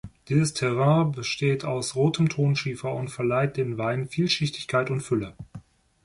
Dieses Terroir besteht aus rotem Tonschiefer und verleiht den Weinen Vielschichtigkeit und Fülle.